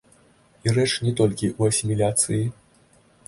І рэч не толькі ў асіміляцыі.